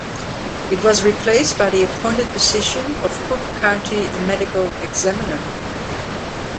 It was replaced by the appointed position of Cook County Medical Examiner.